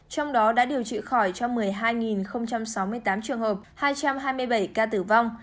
trong đó đã điều trị khỏi cho một mươi hai sáu mươi tám trường hợp hai trăm hai mươi bảy ca tử vong